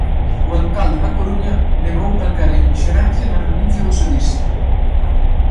O alcalde da Coruña negou calquera inxerencia na renuncia dos edís.